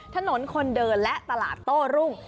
ถนนคนเดินและตลาดโต้รุ่ง